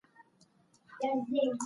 د پوهنې رئيس هم په غونډه کې خبرې وکړې.